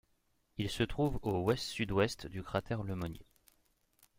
Il se trouve au ouest-sud-ouest du cratère Le Monnier.